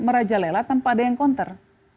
merajalela tanpa ada yang konter